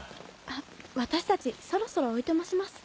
私たちそろそろおいとまします。